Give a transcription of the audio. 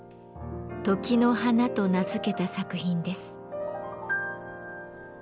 「時の花」と名付けた作品です。